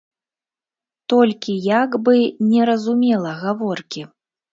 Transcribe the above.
Толькі як бы не разумела гаворкі.